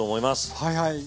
はいはい！